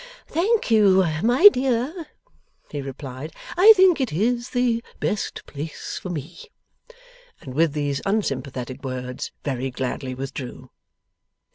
'Thank you, my dear,' he replied; 'I think it IS the best place for me.' And with these unsympathetic words very gladly withdrew.